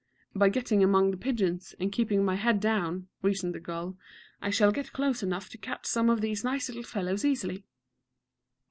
"By getting among the pigeons, and keeping my head down," reasoned the gull, "I shall get close enough to catch some of these nice little fellows easily."